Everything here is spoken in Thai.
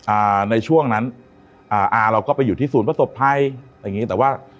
อ่าในช่วงนั้นอ่าอาเราก็ไปอยู่ที่ศูนย์ประสบภัยอย่างงี้แต่ว่า